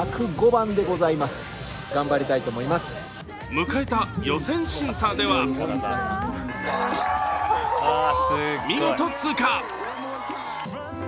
迎えた予選審査では見事通過。